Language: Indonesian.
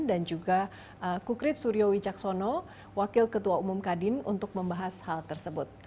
dan juga kukrit suryo wijaksono wakil ketua umum kadin untuk membahas hal tersebut